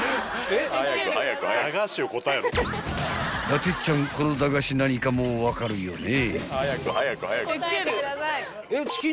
［伊達ちゃんこの駄菓子何かもう分かるよね？］